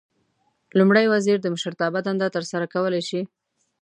لومړی وزیر د مشرتابه دنده ترسره کولای شي.